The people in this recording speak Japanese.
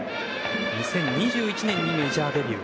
２０２１年にメジャーデビュー。